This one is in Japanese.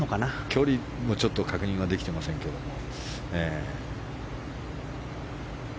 距離はちょっと確認はできてませんけれども。